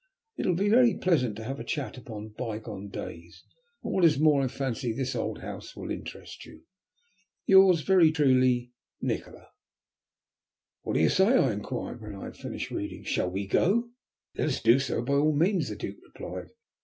It will be very pleasant to have a chat upon by gone days, and, what is more, I fancy this old house will interest you. "Yours very truly, "NIKOLA." "What do you say?" I inquired, when I had finished reading, "shall we go?" "Let us do so by all means," the Duke replied.